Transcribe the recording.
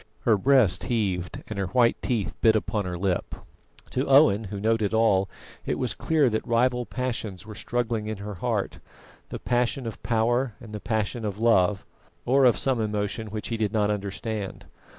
Her breast heaved and her white teeth bit upon her lip. To Owen, who noted all, it was clear that rival passions were struggling in her heart: the passion of power and the passion of love, or of some emotion which he did not understand.